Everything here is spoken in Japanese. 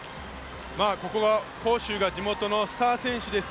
ここは杭州が地元のスター選手です。